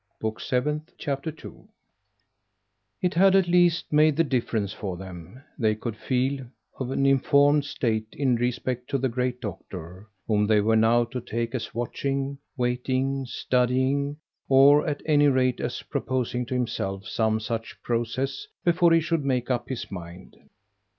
Book Seventh, Chapter 2 It had at least made the difference for them, they could feel, of an informed state in respect to the great doctor, whom they were now to take as watching, waiting, studying, or at any rate as proposing to himself some such process before he should make up his mind.